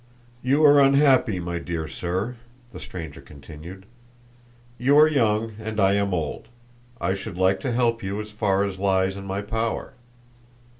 "You are unhappy, my dear sir," the stranger continued. "You are young and I am old. I should like to help you as far as lies in my power."